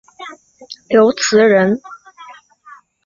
刘词人。